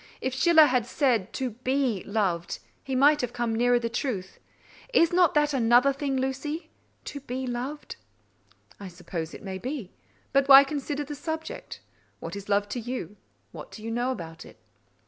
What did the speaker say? If Schiller had said to be loved, he might have come nearer the truth. Is not that another thing, Lucy, to be loved?" "I suppose it may be: but why consider the subject? What is love to you? What do you know about it?"